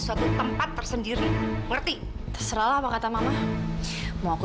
kamu pasti berterima kasih sama aku